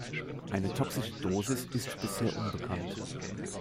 Eine toxische Dosis ist bisher unbekannt.